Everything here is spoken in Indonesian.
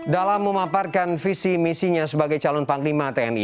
dalam memaparkan visi misinya sebagai calon panglima tni